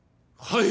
はい！！